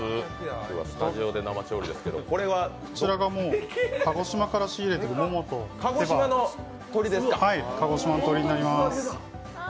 こちらが鹿児島から取り入れている鹿児島の鶏になります。